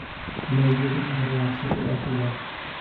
Library ঘরে আছে air cooler.